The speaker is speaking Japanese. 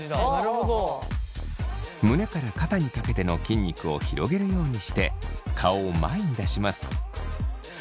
胸から肩にかけての筋肉を広げるようにして顔を前に出します。